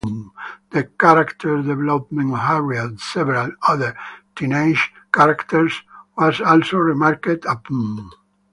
The character development of Harry and several other teenage characters was also remarked upon.